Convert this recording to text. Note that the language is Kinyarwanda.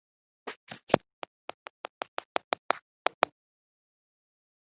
gukora ubukangurambaga kuri gahunda zifasha reta ningenzi.